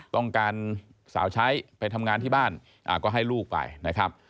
ต้องการสาวใช้ไปทำงานที่บ้านก็ให้ลูกไปนะครับ